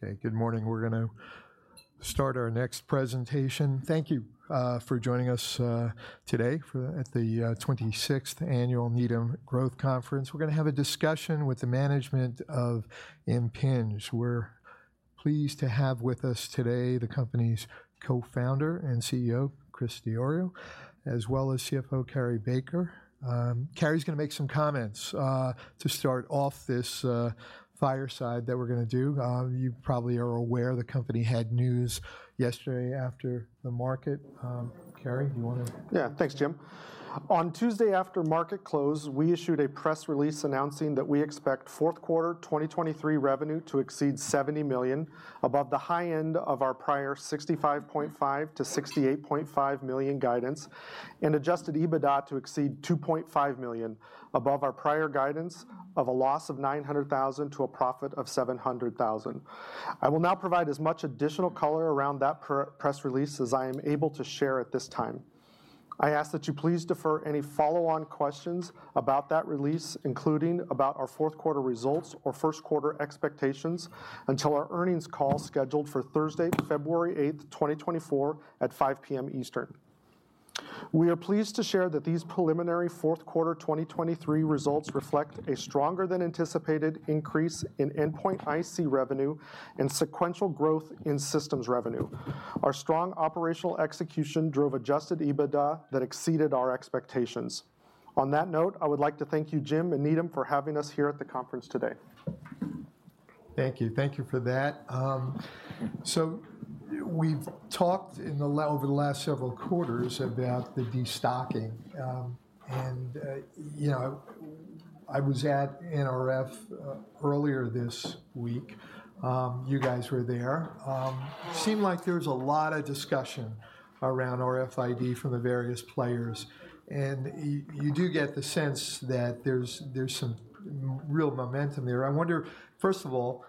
Okay, good morning. We're gonna start our next presentation. Thank you, for joining us, today for the, at the, 26th Annual Needham Growth Conference. We're gonna have a discussion with the management of Impinj. We're pleased to have with us today the company's Co-Founder and CEO, Chris Diorio, as well as CFO, Cary Baker. Cary's gonna make some comments, to start off this, fireside that we're gonna do. You probably are aware the company had news yesterday after the market. Cary, you wanna? Yeah. Thanks, Jim. On Tuesday, after market close, we issued a press release announcing that we expect fourth quarter 2023 revenue to exceed $70 million, above the high end of our prior $65.5 million-$68.5 million guidance, and adjusted EBITDA to exceed $2.5 million, above our prior guidance of a loss of $900,000 to a profit of $700,000. I will now provide as much additional color around that press release as I am able to share at this time. I ask that you please defer any follow-on questions about that release, including about our fourth quarter results or first quarter expectations, until our earnings call, scheduled for Thursday, February 8, 2024, at 5:00 P.M. Eastern. We are pleased to share that these preliminary fourth quarter 2023 results reflect a stronger than anticipated increase in endpoint IC revenue and sequential growth in systems revenue. Our strong operational execution drove adjusted EBITDA that exceeded our expectations. On that note, I would like to thank you, Jim, and Needham for having us here at the conference today. Thank you. Thank you for that. So we've talked over the last several quarters about the destocking. And you know, I was at NRF earlier this week. You guys were there. Seemed like there was a lot of discussion around RFID from the various players, and you do get the sense that there's some real momentum there. I wonder, first of all,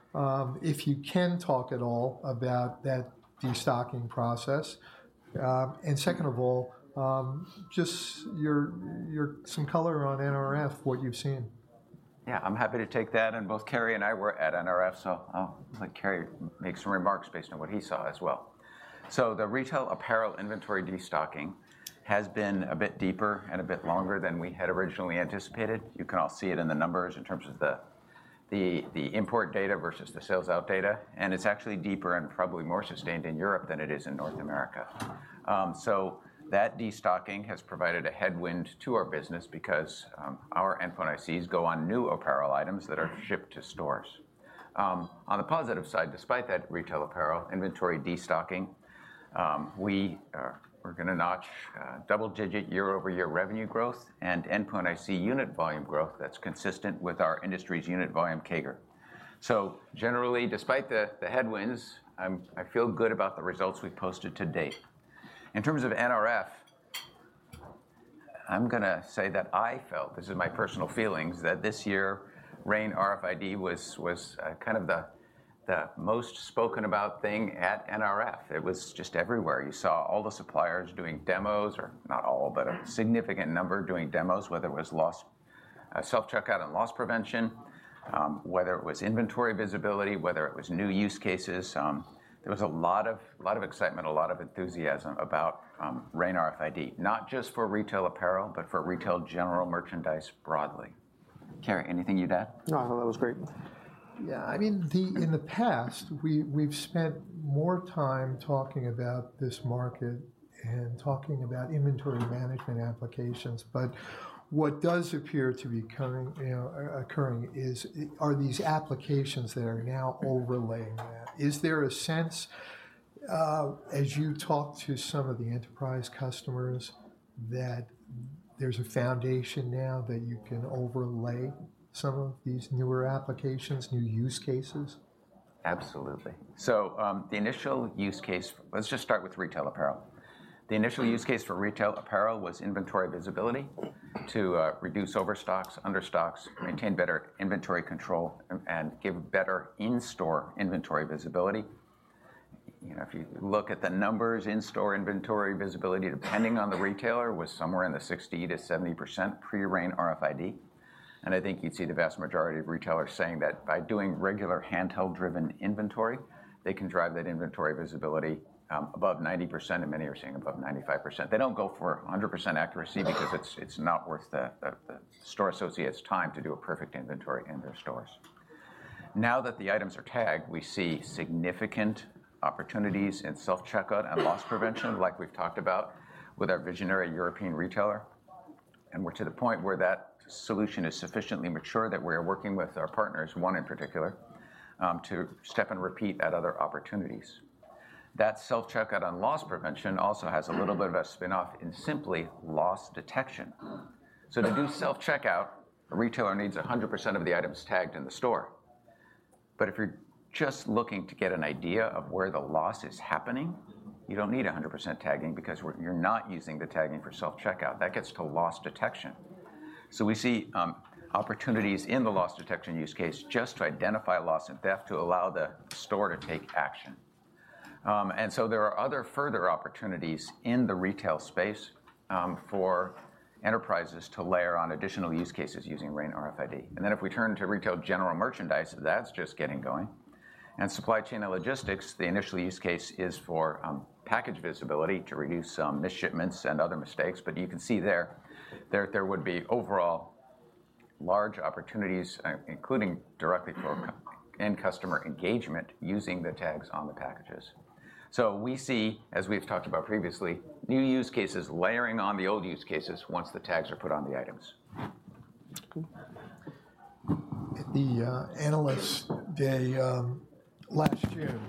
if you can talk at all about that destocking process? And second of all, just some color on NRF, what you've seen. Yeah, I'm happy to take that, and both Cary and I were at NRF, so I'll let Cary make some remarks based on what he saw as well. So the retail apparel inventory destocking has been a bit deeper and a bit longer than we had originally anticipated. You can all see it in the numbers in terms of the import data versus the sales out data, and it's actually deeper and probably more sustained in Europe than it is in North America. So that destocking has provided a headwind to our business because our endpoint ICs go on new apparel items that are shipped to stores. On the positive side, despite that retail apparel inventory destocking, we're gonna notch double-digit year-over-year revenue growth and endpoint IC unit volume growth that's consistent with our industry's unit volume CAGR. So generally, despite the headwinds, I feel good about the results we've posted to date. In terms of NRF, I'm gonna say that I felt, this is my personal feelings, that this year RAIN RFID was kind of the most spoken about thing at NRF. It was just everywhere. You saw all the suppliers doing demos or not all, but a significant number doing demos, whether it was loss self-checkout and loss prevention, whether it was inventory visibility, whether it was new use cases. There was a lot of excitement, a lot of enthusiasm about RAIN RFID, not just for retail apparel, but for retail general merchandise broadly. Cary, anything you'd add? No, I thought that was great. Yeah, I mean, in the past, we, we've spent more time talking about this market and talking about inventory management applications, but what does appear to be occurring, you know, occurring is, are these applications that are now overlaying that. Is there a sense, as you talk to some of the enterprise customers, that there's a foundation now that you can overlay some of these newer applications, new use cases? Absolutely. So, the initial use case— Let's just start with retail apparel. The initial use case for retail apparel was inventory visibility, to reduce overstocks, understocks, maintain better inventory control, and give better in-store inventory visibility. You know, if you look at the numbers, in-store inventory visibility, depending on the retailer, was somewhere in the 60%-70% pre-RAIN RFID, and I think you'd see the vast majority of retailers saying that by doing regular handheld-driven inventory, they can drive that inventory visibility above 90%, and many are seeing above 95%. They don't go for 100% accuracy, because it's, it's not worth the, the, the store associate's time to do a perfect inventory in their stores. Now that the items are tagged, we see significant opportunities in self-checkout and loss prevention, like we've talked about with our visionary European retailer, and we're to the point where that solution is sufficiently mature that we are working with our partners, one in particular, to step and repeat at other opportunities. That self-checkout and loss prevention also has a little bit of a spin-off in simply loss detection. So to do self-checkout, a retailer needs 100% of the items tagged in the store. But if you're just looking to get an idea of where the loss is happening, you don't need 100% tagging, because you're not using the tagging for self-checkout. That gets to loss detection. So we see opportunities in the loss detection use case just to identify loss and theft to allow the store to take action. And so there are other further opportunities in the retail space, for enterprises to layer on additional use cases using RAIN RFID. Then if we turn to retail general merchandise, that's just getting going. Supply chain and logistics, the initial use case is for package visibility to reduce some missed shipments and other mistakes, but you can see there would be overall large opportunities, including directly for end customer engagement, using the tags on the packages. So we see, as we've talked about previously, new use cases layering on the old use cases once the tags are put on the items. Cool. At the Analyst Day last year,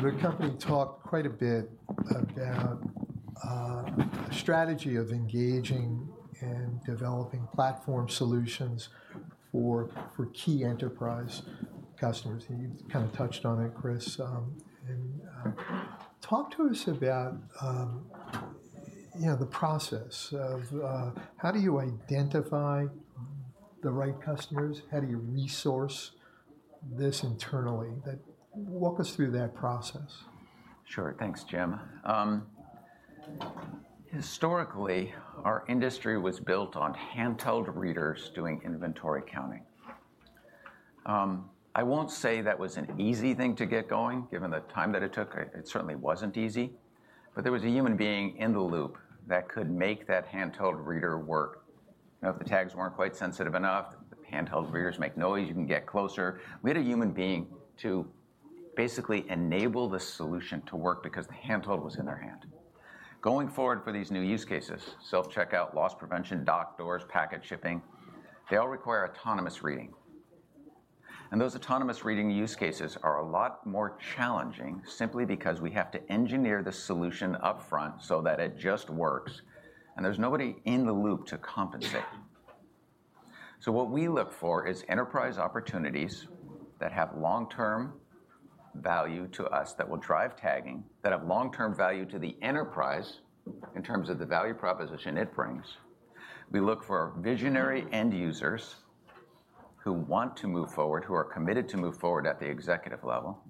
the company talked quite a bit about a strategy of engaging and developing platform solutions for key enterprise customers, and you've kind of touched on it, Chris. And talk to us about, you know, the process of... How do you identify the right customers? How do you resource this internally, that... Walk us through that process. Sure. Thanks, Jim. Historically, our industry was built on handheld readers doing inventory counting. I won't say that was an easy thing to get going, given the time that it took. It, it certainly wasn't easy, but there was a human being in the loop that could make that handheld reader work. You know, if the tags weren't quite sensitive enough, the handheld readers make noise, you can get closer. We had a human being to basically enable the solution to work because the handheld was in their hand. Going forward for these new use cases, self-checkout, loss prevention, dock doors, package shipping, they all require autonomous reading. And those autonomous reading use cases are a lot more challenging simply because we have to engineer the solution upfront so that it just works, and there's nobody in the loop to compensate. So what we look for is enterprise opportunities that have long-term value to us, that will drive tagging, that have long-term value to the enterprise in terms of the value proposition it brings. We look for visionary end users who want to move forward, who are committed to move forward at the executive level.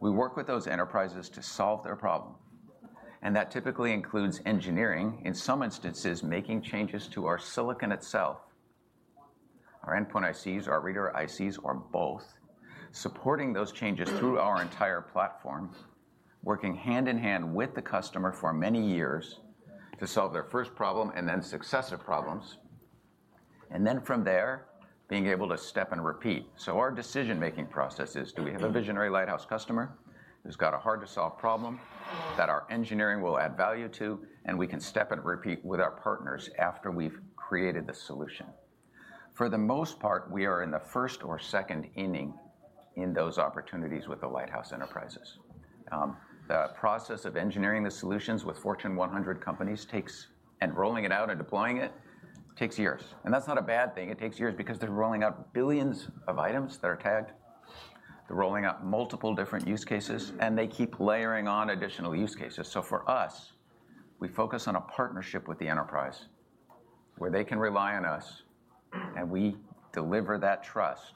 We work with those enterprises to solve their problem, and that typically includes engineering, in some instances, making changes to our silicon itself, our endpoint ICs, our reader ICs, or both, supporting those changes through our entire platform, working hand in hand with the customer for many years to solve their first problem and then successive problems, and then from there, being able to step and repeat. So our decision-making process is: Do we have a visionary lighthouse customer who's got a hard-to-solve problem that our engineering will add value to, and we can step and repeat with our partners after we've created the solution? For the most part, we are in the first or second inning in those opportunities with the lighthouse enterprises. The process of engineering the solutions with Fortune 100 companies takes, and rolling it out and deploying it, takes years, and that's not a bad thing. It takes years because they're rolling out billions of items that are tagged. They're rolling out multiple different use cases, and they keep layering on additional use cases. So for us, we focus on a partnership with the enterprise where they can rely on us, and we deliver that trust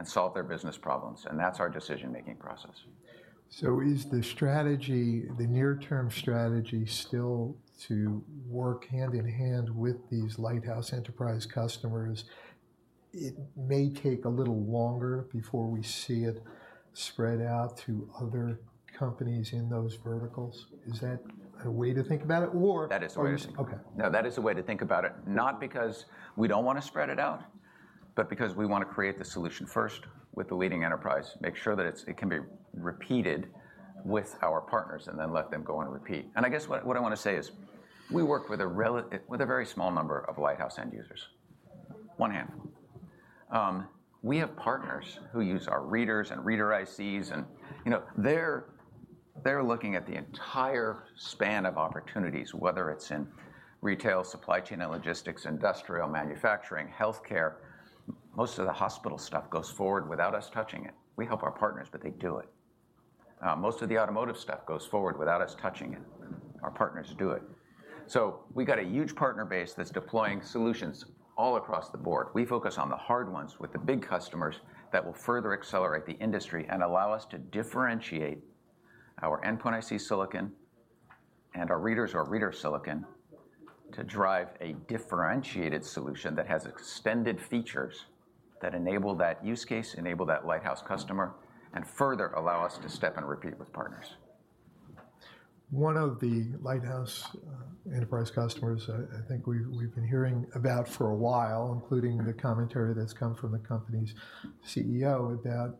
and solve their business problems, and that's our decision-making process. So is the strategy, the near-term strategy, still to work hand in hand with these lighthouse enterprise customers? It may take a little longer before we see it spread out to other companies in those verticals. Is that a way to think about it? Or- That is the way to think. Okay. No, that is the way to think about it, not because we don't want to spread it out, but because we want to create the solution first with the leading enterprise, make sure that it's... it can be repeated with our partners, and then let them go and repeat. I guess what I want to say is, we work with a relatively... with a very small number of lighthouse end users, on one hand. We have partners who use our readers and reader ICs, and, you know, they're looking at the entire span of opportunities, whether it's in retail, supply chain and logistics, industrial, manufacturing, healthcare. Most of the hospital stuff goes forward without us touching it. We help our partners, but they do it. Most of the automotive stuff goes forward without us touching it. Our partners do it. So we've got a huge partner base that's deploying solutions all across the board. We focus on the hard ones with the big customers that will further accelerate the industry and allow us to differentiate our endpoint IC silicon and our readers, or reader IC silicon, to drive a differentiated solution that has extended features that enable that use case, enable that lighthouse customer, and further allow us to step and repeat with partners. One of the lighthouse enterprise customers, I think we've, we've been hearing about for a while, including the commentary that's come from the company's CEO, about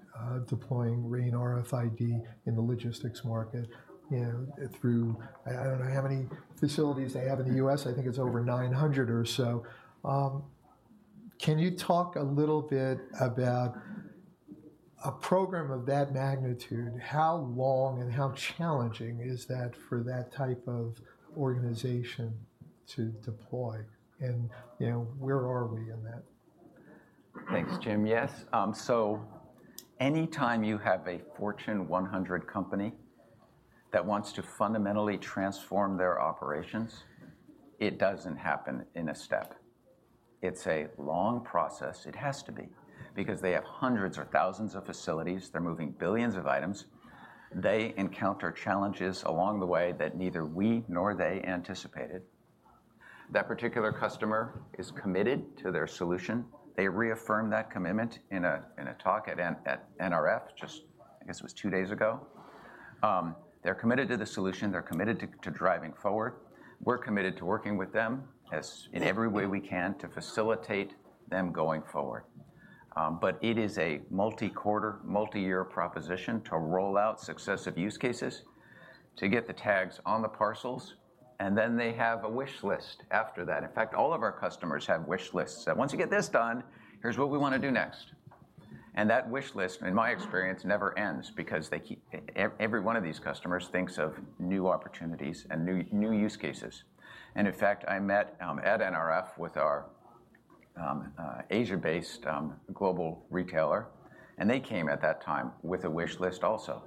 deploying RAIN RFID in the logistics market, you know, through... I, I don't know how many facilities they have in the U.S. I think it's over 900 or so. Can you talk a little bit about a program of that magnitude? How long and how challenging is that for that type of organization to deploy? And, you know, where are we in that? Thanks, Jim. Yes. So any time you have a Fortune 100 company that wants to fundamentally transform their operations, it doesn't happen in a step. It's a long process. It has to be, because they have hundreds or thousands of facilities. They're moving billions of items. They encounter challenges along the way that neither we nor they anticipated. That particular customer is committed to their solution. They reaffirmed that commitment in a talk at NRF, just I guess it was two days ago. They're committed to the solution. They're committed to driving forward. We're committed to working with them in every way we can to facilitate them going forward. But it is a multi-quarter, multi-year proposition to roll out successive use cases, to get the tags on the parcels, and then they have a wish list after that. In fact, all of our customers have wish lists, that once you get this done, here's what we wanna do next. And that wish list, in my experience, never ends because they keep every one of these customers thinks of new opportunities and new, new use cases. And in fact, I met at NRF with our Asia-based global retailer, and they came at that time with a wish list also.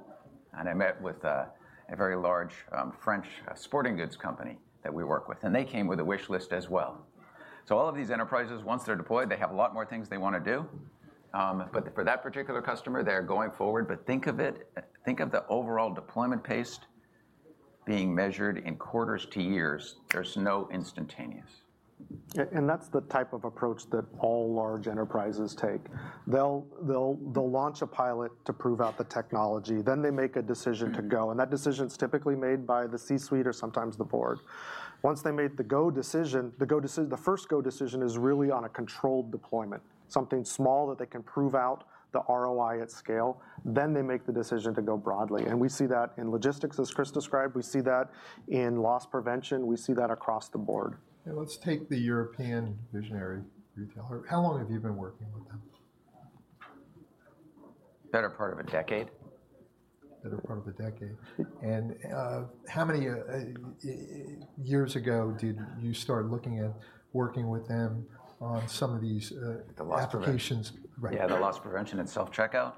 And I met with a very large French sporting goods company that we work with, and they came with a wish list as well. So all of these enterprises, once they're deployed, they have a lot more things they wanna do. But for that particular customer, they're going forward. But think of it, think of the overall deployment pace being measured in quarters to years. There's no instantaneous. Yeah, and that's the type of approach that all large enterprises take. They'll launch a pilot to prove out the technology, then they make a decision to go, and that decision's typically made by the C-suite or sometimes the board. Once they made the go decision, the go decision, the first go decision is really on a controlled deployment, something small that they can prove out the ROI at scale, then they make the decision to go broadly, and we see that in logistics, as Chris described. We see that in loss prevention. We see that across the board. Yeah, let's take the European visionary retailer. How long have you been working with them? Better part of a decade. Better part of a decade. And, how many years ago did you start looking at working with them on some of these- The loss prevention-... applications? Right. Yeah, the loss prevention and self-checkout.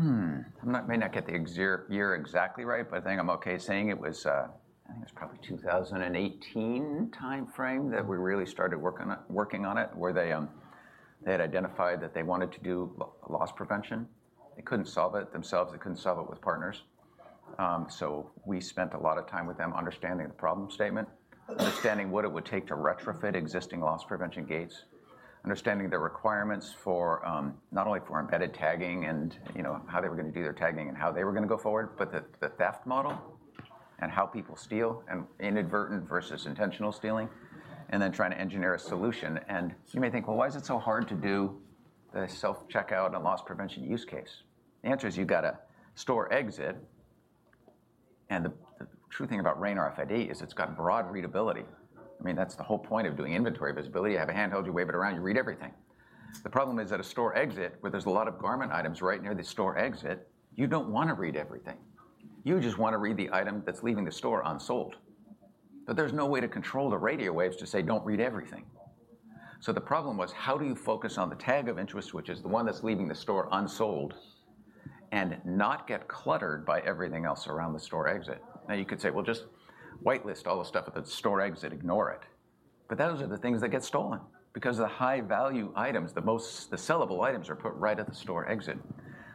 I might not get the year exactly right, but I think I'm okay saying it was, I think it was probably 2018 timeframe that we really started working on it, where they, they had identified that they wanted to do loss prevention. They couldn't solve it themselves. They couldn't solve it with partners. So we spent a lot of time with them understanding the problem statement, understanding what it would take to retrofit existing loss prevention gates, understanding the requirements for not only for embedded tagging and, you know, how they were gonna do their tagging and how they were gonna go forward, but the theft model and how people steal, and inadvertent versus intentional stealing, and then trying to engineer a solution. And you may think, well, why is it so hard to do the self-checkout and loss prevention use case? The answer is you've got a store exit, and the true thing about RAIN RFID is it's got broad readability. I mean, that's the whole point of doing inventory visibility. You have a handheld, you wave it around, you read everything. The problem is at a store exit, where there's a lot of garment items right near the store exit, you don't want to read everything. You just want to read the item that's leaving the store unsold. But there's no way to control the radio waves to say: Don't read everything. So the problem was: How do you focus on the tag of interest, which is the one that's leaving the store unsold, and not get cluttered by everything else around the store exit? Now, you could say: Well, just whitelist all the stuff at the store exit. Ignore it. But those are the things that get stolen because the high-value items, the most... the sellable items, are put right at the store exit,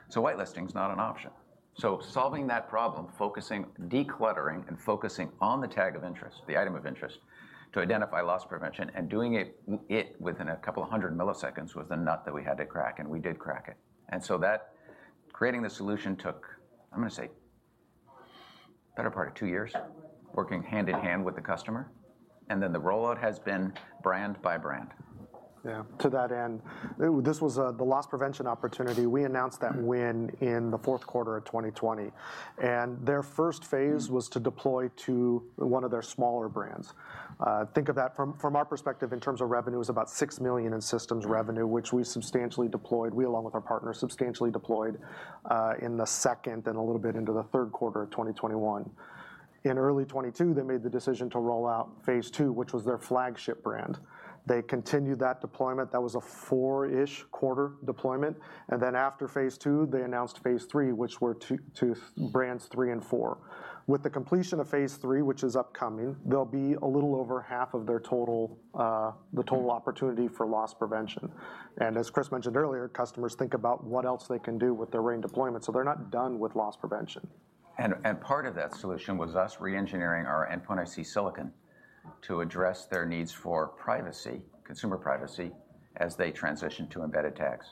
so whitelisting is not an option. So solving that problem, focusing, decluttering, and focusing on the tag of interest, the item of interest, to identify loss prevention, and doing it within 200 milliseconds, was the nut that we had to crack, and we did crack it. And so that creating the solution took, I'm gonna say, better part of two years, working hand in hand with the customer, and then the rollout has been brand by brand. Yeah. To that end, this was the loss prevention opportunity. We announced that win in the fourth quarter of 2020, and their first phase was to deploy to one of their smaller brands. Think of that from our perspective in terms of revenue, it was about $6 million in systems revenue, which we substantially deployed. We, along with our partners, substantially deployed in the second and a little bit into the third quarter of 2021. In early 2022, they made the decision to roll out phase two, which was their flagship brand. They continued that deployment. That was a four-ish quarter deployment, and then after phase two, they announced phase three, which were two brands three and four. With the completion of phase three, which is upcoming, they'll be a little over half of their total, the total- Mm-hmm.... opportunity for loss prevention. And as Chris mentioned earlier, customers think about what else they can do with their RAIN deployment, so they're not done with loss prevention. Part of that solution was us reengineering our endpoint IC silicon to address their needs for privacy, consumer privacy, as they transition to embedded tags.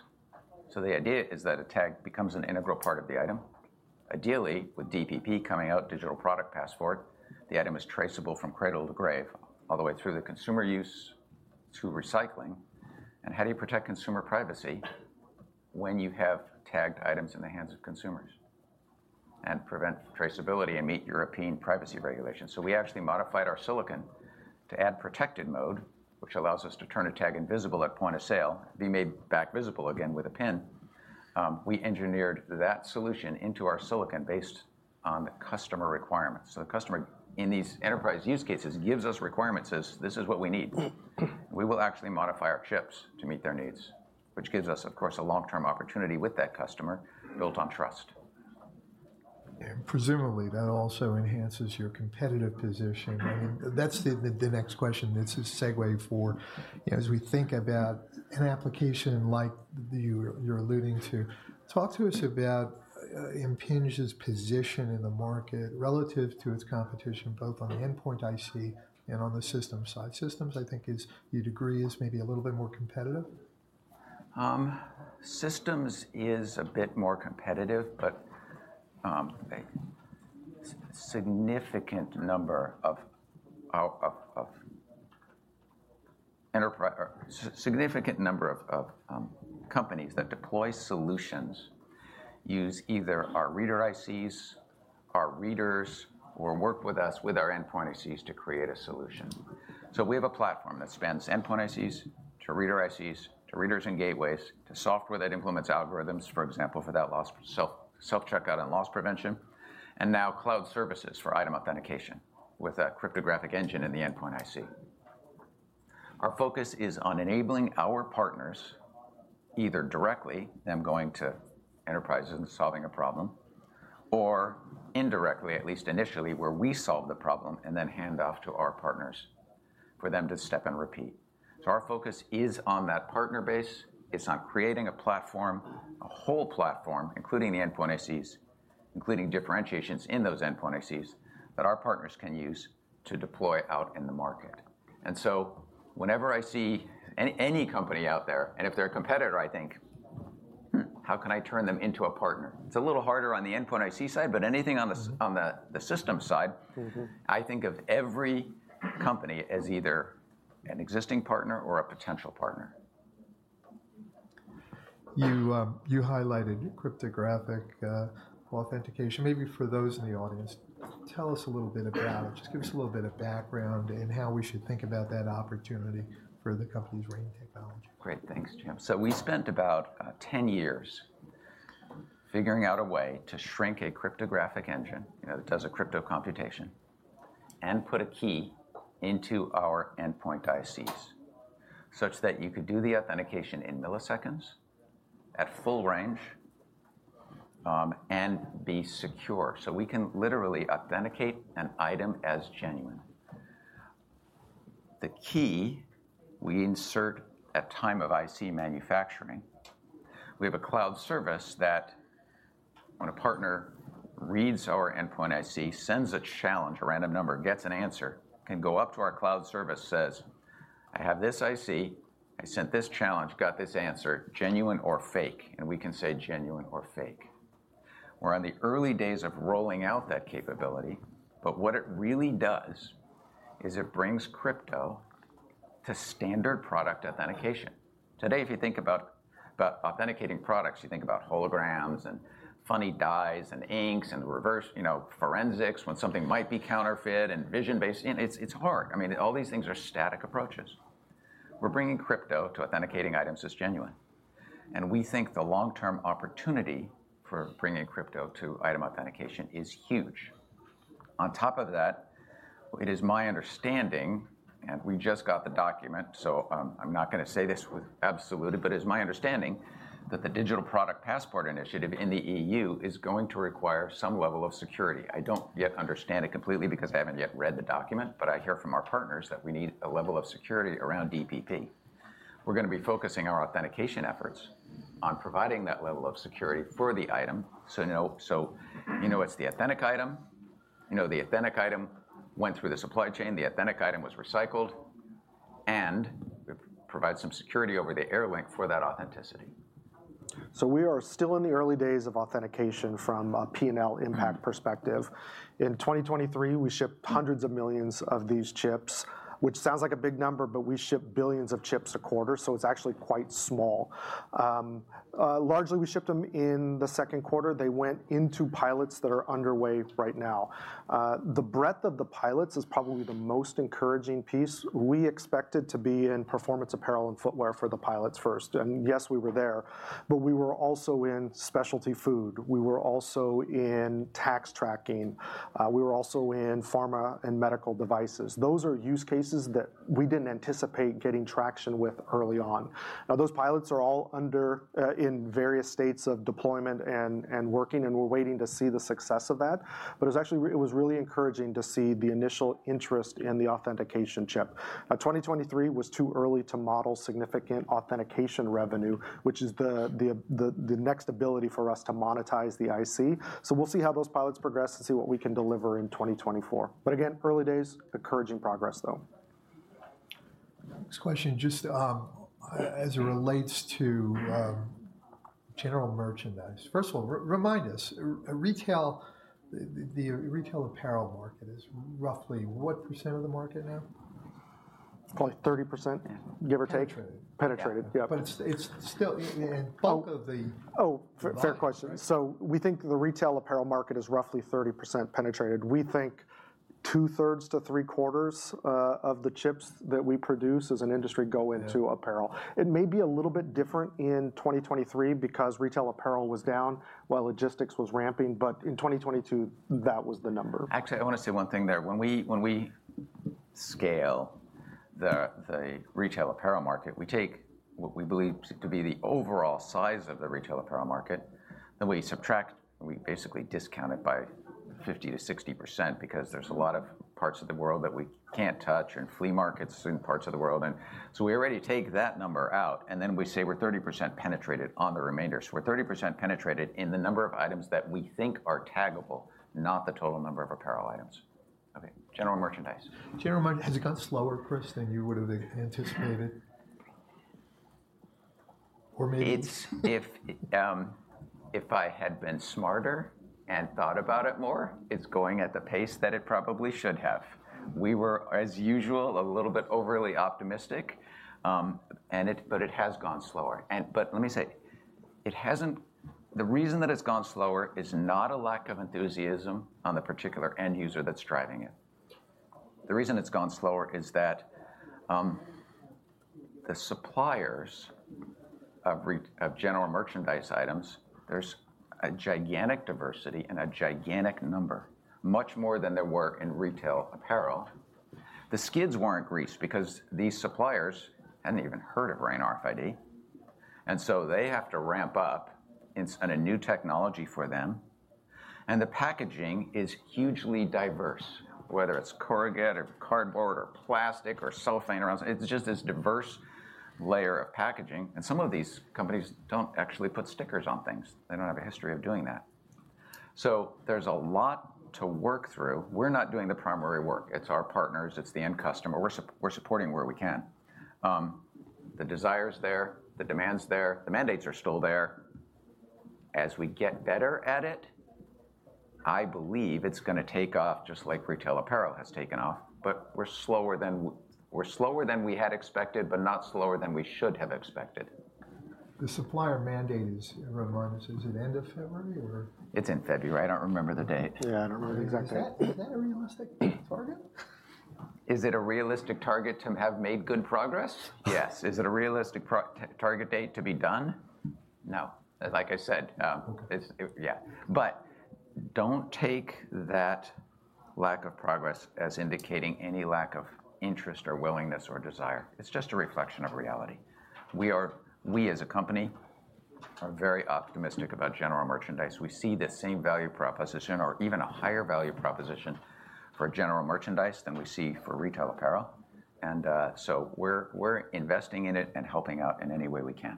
So the idea is that a tag becomes an integral part of the item. Ideally, with DPP coming out, Digital Product Passport, the item is traceable from cradle to grave, all the way through the consumer use to recycling. And how do you protect consumer privacy when you have tagged items in the hands of consumers and prevent traceability and meet European privacy regulations? So we actually modified our silicon to add Protected Mode, which allows us to turn a tag invisible at point of sale, be made back visible again with a PIN. We engineered that solution into our silicon based on the customer requirements. So the customer, in these enterprise use cases, gives us requirements, says, "This is what we need." We will actually modify our chips to meet their needs, which gives us, of course, a long-term opportunity with that customer built on trust. And presumably, that also enhances your competitive position. I mean, that's the next question. It's a segue for, you know, as we think about an application like you, you're alluding to, talk to us about Impinj's position in the market relative to its competition, both on the endpoint IC and on the system side. Systems, I think, is, you'd agree is maybe a little bit more competitive? Systems is a bit more competitive, but a significant number of enterprise or significant number of companies that deploy solutions use either our reader ICs, our readers, or work with us with our endpoint ICs to create a solution. So we have a platform that spans endpoint ICs, to reader ICs, to readers and gateways, to software that implements algorithms, for example, for that loss, self-checkout and loss prevention, and now cloud services for item authentication with a cryptographic engine in the endpoint IC. Our focus is on enabling our partners, either directly, them going to enterprises and solving a problem, or indirectly, at least initially, where we solve the problem and then hand off to our partners for them to step and repeat. So our focus is on that partner base. It's on creating a platform, a whole platform, including the endpoint ICs, including differentiations in those endpoint ICs, that our partners can use to deploy out in the market. And so whenever I see any company out there, and if they're a competitor, I think, "Hmm, how can I turn them into a partner?" It's a little harder on the endpoint IC side, but anything on the system side- Mm-hmm. I think of every company as either an existing partner or a potential partner. You, you highlighted cryptographic authentication. Maybe for those in the audience, tell us a little bit about it. Just give us a little bit of background and how we should think about that opportunity for the company's RAIN technology. Great. Thanks, Jim. So we spent about 10 years figuring out a way to shrink a cryptographic engine, you know, that does a crypto computation, and put a key into our endpoint ICs, such that you could do the authentication in milliseconds, at full range, and be secure. So we can literally authenticate an item as genuine. The key we insert at time of IC manufacturing. We have a cloud service that when a partner reads our endpoint IC, sends a challenge, a random number, gets an answer, can go up to our cloud service, says, "I have this IC. I sent this challenge, got this answer, genuine or fake?" And we can say, "Genuine or fake." We're on the early days of rolling out that capability, but what it really does is it brings crypto to standard product authentication. Today, if you think about authenticating products, you think about holograms, and funny dyes, and inks, and reverse, you know, forensics, when something might be counterfeit, and vision-based. It's hard. I mean, all these things are static approaches. We're bringing crypto to authenticating items as genuine, and we think the long-term opportunity for bringing crypto to item authentication is huge. On top of that, it is my understanding, and we just got the document, so I'm not gonna say this with absolutely, but it's my understanding that the Digital Product Passport initiative in the E.U. is going to require some level of security. I don't yet understand it completely because I haven't yet read the document, but I hear from our partners that we need a level of security around DPP. We're gonna be focusing our authentication efforts on providing that level of security for the item, so you know it's the authentic item, you know the authentic item went through the supply chain, the authentic item was recycled, and it provides some security over the air link for that authenticity. We are still in the early days of authentication from a P&L impact perspective. In 2023, we shipped hundreds of millions of these chips, which sounds like a big number, but we ship billions of chips a quarter, so it's actually quite small. Largely, we shipped them in the second quarter. They went into pilots that are underway right now. The breadth of the pilots is probably the most encouraging piece. We expected to be in performance apparel and footwear for the pilots first, and yes, we were there, but we were also in specialty food. We were also in tag tracking. We were also in pharma and medical devices. Those are use cases that we didn't anticipate getting traction with early on. Now, those pilots are all under... in various states of deployment and working, and we're waiting to see the success of that. But it was actually really encouraging to see the initial interest in the authentication chip. Now, 2023 was too early to model significant authentication revenue, which is the next ability for us to monetize the IC. So we'll see how those pilots progress and see what we can deliver in 2024. But again, early days, encouraging progress, though. Next question, just as it relates to general merchandise. First of all, remind us, the retail apparel market is roughly what % of the market now? Probably 30%, give or take. Sure. Penetrated. Penetrated, yep. But it's still in bulk of the- Oh, fair question. Right? So we think the retail apparel market is roughly 30% penetrated. We think 2/3 to 3/4 of the chips that we produce as an industry go into- Yeah.... apparel. It may be a little bit different in 2023 because retail apparel was down while logistics was ramping, but in 2022, that was the number. Actually, I wanna say one thing there. When we scale the retail apparel market, we take what we believe to be the overall size of the retail apparel market, then we subtract, and we basically discount it by 50%-60% because there's a lot of parts of the world that we can't touch, and flea markets in parts of the world. And so we already take that number out, and then we say we're 30% penetrated on the remainder. So we're 30% penetrated in the number of items that we think are taggable, not the total number of apparel items. Okay, general merchandise. Has it gone slower, Chris, than you would have anticipated? Or maybe- If I had been smarter and thought about it more, it's going at the pace that it probably should have. We were, as usual, a little bit overly optimistic, and it has gone slower. But let me say, it hasn't. The reason that it's gone slower is not a lack of enthusiasm on the particular end user that's driving it. The reason it's gone slower is that the suppliers of general merchandise items, there's a gigantic diversity and a gigantic number, much more than there were in retail apparel. The skids weren't greased because these suppliers hadn't even heard of RAIN RFID, and so they have to ramp up in a new technology for them. The packaging is hugely diverse, whether it's corrugated, or cardboard, or plastic, or cellophane, or else. It's just this diverse layer of packaging, and some of these companies don't actually put stickers on things. They don't have a history of doing that. So there's a lot to work through. We're not doing the primary work. It's our partners, it's the end customer. We're supporting where we can. The desire is there, the demand's there, the mandates are still there. As we get better at it, I believe it's gonna take off just like retail apparel has taken off, but we're slower than we had expected, but not slower than we should have expected. The supplier mandate is, remind us, is it end of February, or? It's in February. I don't remember the date. Yeah, I don't remember the exact date. Is that, is that a realistic target? Is it a realistic target to have made good progress? Yes. Is it a realistic progress target date to be done? No. Like I said, it's. Yeah. But don't take that lack of progress as indicating any lack of interest, or willingness, or desire. It's just a reflection of reality. We are, as a company, very optimistic about general merchandise. We see the same value proposition or even a higher value proposition for general merchandise than we see for retail apparel. And, so we're investing in it and helping out in any way we can.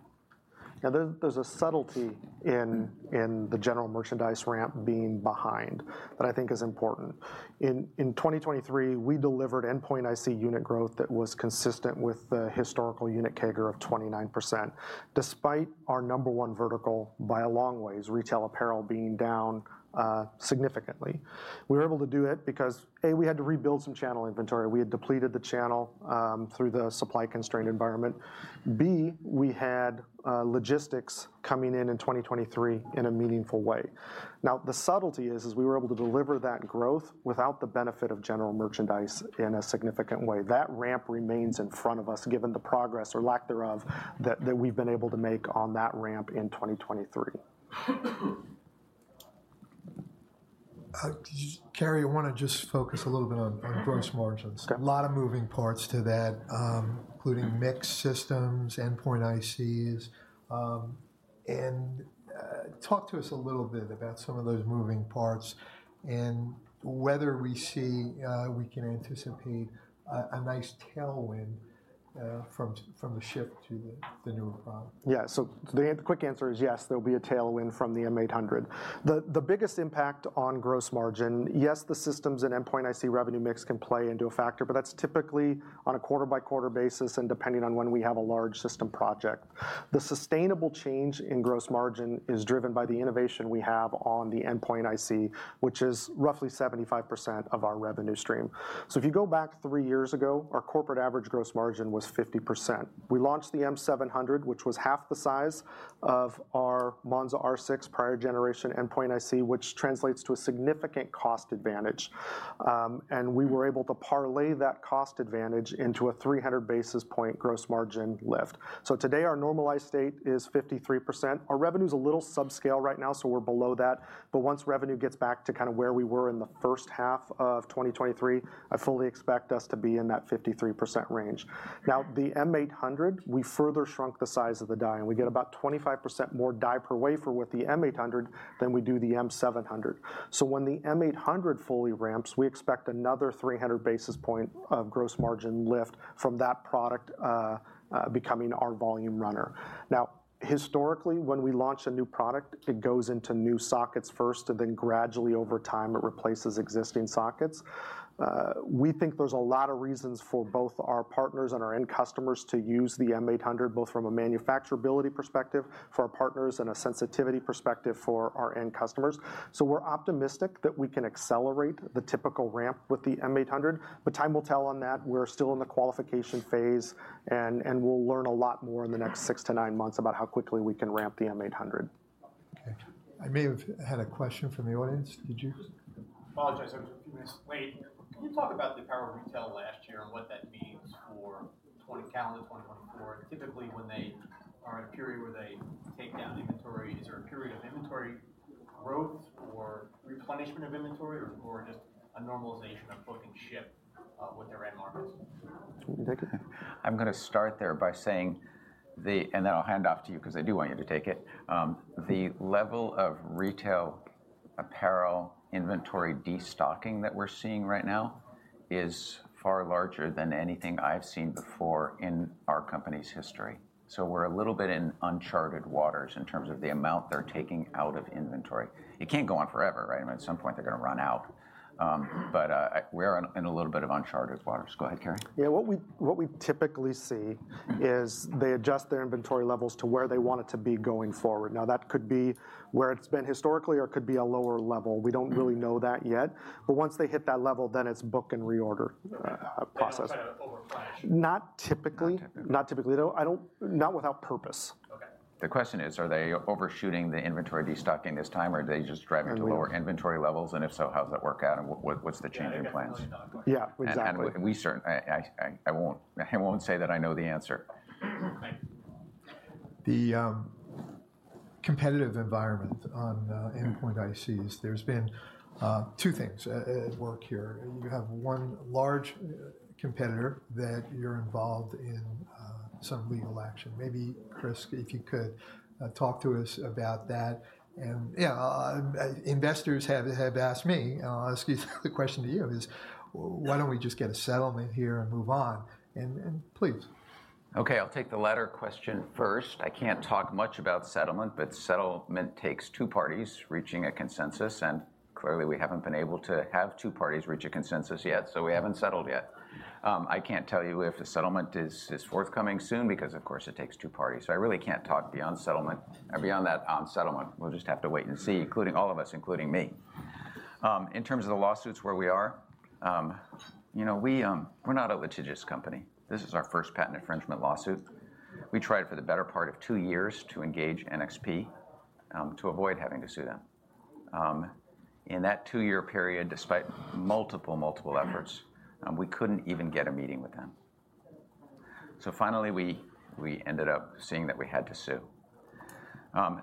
Now, there's a subtlety in- Mm-hmm.... in the general merchandise ramp being behind that I think is important. In 2023, we delivered endpoint IC unit growth that was consistent with the historical unit CAGR of 29%, despite our number one vertical by a long ways, retail apparel being down significantly. We were able to do it because, A, we had to rebuild some channel inventory. We had depleted the channel through the supply constraint environment. B, we had logistics coming in in 2023 in a meaningful way. Now, the subtlety is we were able to deliver that growth without the benefit of general merchandise in a significant way. That ramp remains in front of us, given the progress or lack thereof that we've been able to make on that ramp in 2023. Just, Cary, I wanna just focus a little bit on- Mm-hmm.... on gross margins. Okay. A lot of moving parts to that, including mixed systems, endpoint ICs. And talk to us a little bit about some of those moving parts and whether we see we can anticipate a nice tailwind from the shift to the newer product. Yeah, so the quick answer is, yes, there will be a tailwind from the M800. The biggest impact on gross margin, yes, the systems and endpoint IC revenue mix can play into a factor, but that's typically on a quarter-by-quarter basis, and depending on when we have a large system project. The sustainable change in gross margin is driven by the innovation we have on the endpoint IC, which is roughly 75% of our revenue stream. So if you go back three years ago, our corporate average gross margin was 50%. We launched the M700, which was half the size of our Monza R6 prior generation endpoint IC, which translates to a significant cost advantage. And we were able to parlay that cost advantage into a 300 basis point gross margin lift. So today, our normalized state is 53%. Our revenue's a little subscale right now, so we're below that, but once revenue gets back to kind of where we were in the first half of 2023, I fully expect us to be in that 53% range. Now, the M800, we further shrunk the size of the die, and we get about 25% more die per wafer with the M800 than we do the M700. So when the M800 fully ramps, we expect another 300 basis points of gross margin lift from that product, becoming our volume runner. Now, historically, when we launch a new product, it goes into new sockets first, and then gradually, over time, it replaces existing sockets. We think there's a lot of reasons for both our partners and our end customers to use the M800, both from a manufacturability perspective for our partners and a sensitivity perspective for our end customers. So we're optimistic that we can accelerate the typical ramp with the M800, but time will tell on that. We're still in the qualification phase, and we'll learn a lot more in the next six to nine months about how quickly we can ramp the M800. Okay. I may have had a question from the audience. Did you? Just apologize. I was a few minutes late. Can you talk about the power of retail last year, and what that means for calendar 2024? Typically when they are in a period where they take down inventory, is there a period of inventory growth or replenishment of inventory, or just a normalization of book and ship with their end markets? Do you want me to take it? I'm gonna start there by saying and then I'll hand off to you, 'cause I do want you to take it. The level of retail apparel inventory destocking that we're seeing right now is far larger than anything I've seen before in our company's history. So we're a little bit in uncharted waters in terms of the amount they're taking out of inventory. It can't go on forever, right? I mean, at some point they're gonna run out. But we're in a little bit of uncharted waters. Go ahead, Cary. Yeah, what we typically see is they adjust their inventory levels to where they want it to be going forward. Now, that could be where it's been historically or could be a lower level. Mm-hmm. We don't really know that yet. Once they hit that level, then it's book and reorder process. They don't kind of over flash? Not typically. Not typically. Not typically, though. Not without purpose. Okay. The question is, are they overshooting the inventory destocking this time, or are they just driving- There we are.... to lower inventory levels? And if so, how does that work out, and what's the change in plans? Yeah, I guess, follow up question. Yeah, exactly. I won't say that I know the answer. Thank you. The competitive environment on endpoint ICs, there's been two things at work here. You have one large competitor that you're involved in some legal action. Maybe Chris, if you could talk to us about that. And investors have asked me, and I'll ask you the question to you: Why don't we just get a settlement here and move on? And please. Okay, I'll take the latter question first. I can't talk much about settlement, but settlement takes two parties reaching a consensus, and clearly, we haven't been able to have two parties reach a consensus yet, so we haven't settled yet. I can't tell you if a settlement is forthcoming soon, because of course, it takes two parties. So I really can't talk beyond settlement or beyond that on settlement. We'll just have to wait and see, including all of us, including me. In terms of the lawsuits, where we are, you know, we're not a litigious company. This is our first patent infringement lawsuit. We tried for the better part of two years to engage NXP to avoid having to sue them. In that two-year period, despite multiple, multiple efforts, we couldn't even get a meeting with them. So finally, we ended up seeing that we had to sue.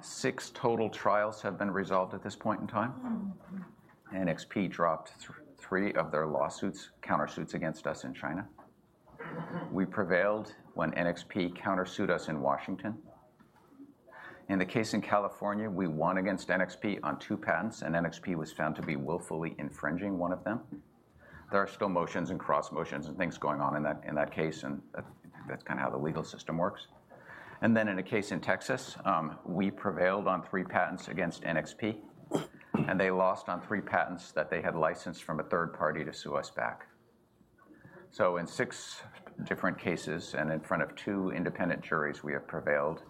Six total trials have been resolved at this point in time. NXP dropped three of their lawsuits, countersuits against us in China. We prevailed when NXP countersued us in Washington. In the case in California, we won against NXP on two patents, and NXP was found to be willfully infringing one of them. There are still motions and cross-motions and things going on in that, in that case, and that, that's kind of how the legal system works. And then in a case in Texas, we prevailed on three patents against NXP, and they lost on three patents that they had licensed from a third party to sue us back. So in six different cases and in front of two independent juries, we have prevailed,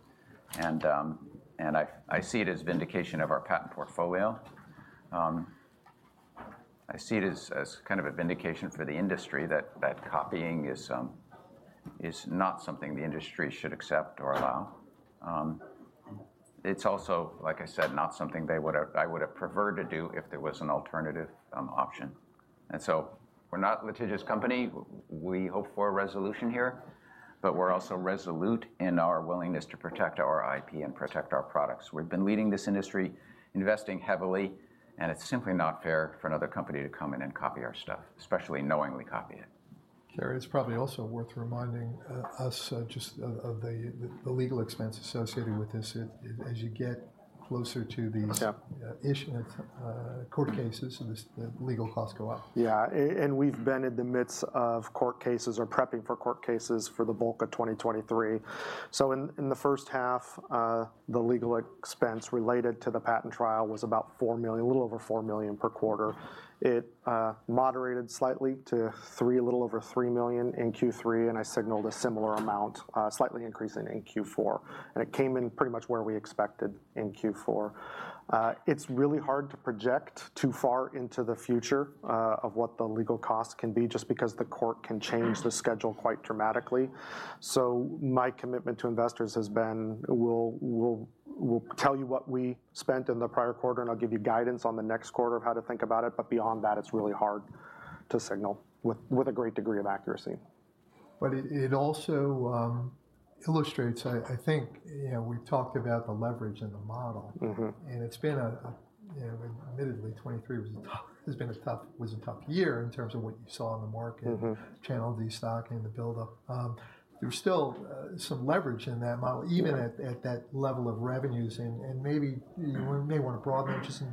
and I see it as vindication of our patent portfolio. I see it as kind of a vindication for the industry that copying is not something the industry should accept or allow. It's also, like I said, not something I would have preferred to do if there was an alternative option. And so we're not a litigious company. We hope for a resolution here, but we're also resolute in our willingness to protect our IP and protect our products. We've been leading this industry, investing heavily, and it's simply not fair for another company to come in and copy our stuff, especially knowingly copy it. Cary, it's probably also worth reminding us just of the legal expense associated with this. It, as you get closer to these- Okay.... issue court cases, and this, the legal costs go up. Yeah, and we've been in the midst of court cases or prepping for court cases for the bulk of 2023. So in the first half, the legal expense related to the patent trial was about $4 million, a little over $4 million per quarter. It moderated slightly to $3 million, a little over $3 million in Q3, and I signaled a similar amount, slightly increasing in Q4, and it came in pretty much where we expected in Q4. It's really hard to project too far into the future of what the legal costs can be, just because the court can change the schedule quite dramatically. So my commitment to investors has been, we'll tell you what we spent in the prior quarter, and I'll give you guidance on the next quarter of how to think about it, but beyond that, it's really hard to signal with a great degree of accuracy. But it also illustrates, I think... You know, we've talked about the leverage in the model. Mm-hmm. It's been, you know, admittedly, 2023 was a tough year in terms of what you saw in the market- Mm-hmm.... channel destocking, the buildup. There's still some leverage in that model- Mm-hmm.... even at that level of revenues. And maybe- Mm.... you may want to broaden just in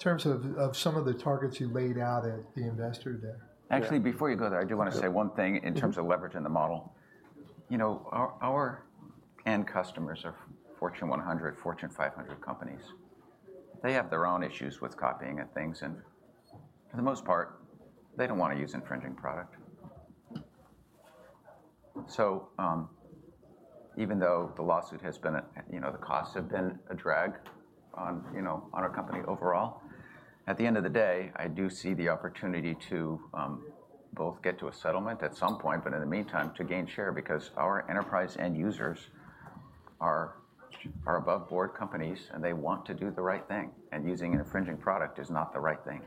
terms of, of some of the targets you laid out at the Investor Day. Actually, before you go there, I do want to say one thing- Yeah.... in terms of leverage in the model. You know, our end customers are Fortune 100, Fortune 500 companies. They have their own issues with copying and things, and for the most part, they don't want to use infringing product. So, even though the lawsuit has been a, you know, the costs have been a drag on, you know, on our company overall, at the end of the day, I do see the opportunity to both get to a settlement at some point, but in the meantime, to gain share, because our enterprise end users are above board companies, and they want to do the right thing, and using an infringing product is not the right thing.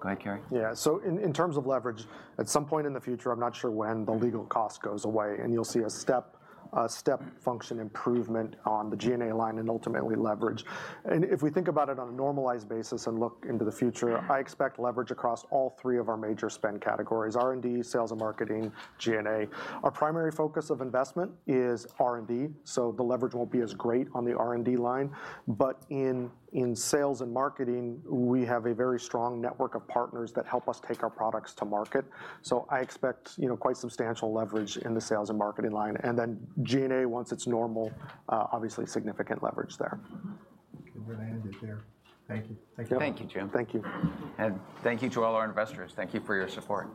Go ahead, Cary. Yeah. So in terms of leverage, at some point in the future, I'm not sure when, the legal cost goes away, and you'll see a step function improvement on the G&A line and ultimately leverage. And if we think about it on a normalized basis and look into the future, I expect leverage across all three of our major spend categories: R&D, sales and marketing, G&A. Our primary focus of investment is R&D, so the leverage won't be as great on the R&D line. But in sales and marketing, we have a very strong network of partners that help us take our products to market. So I expect, you know, quite substantial leverage in the sales and marketing line. And then G&A, once it's normal, obviously significant leverage there. Mm-hmm. Okay, we're gonna end it there. Thank you. Thank you. Thank you, Jim. Thank you. Thank you to all our investors. Thank you for your support.